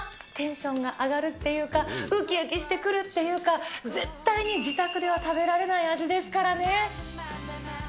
テンションが上がるっていうか、うきうきしてくるっていうか、絶対に自宅では食べられない味ですからね。